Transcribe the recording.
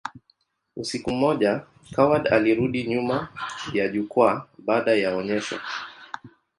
Usiku mmoja, Coward alirudi nyuma ya jukwaa baada ya onyesho.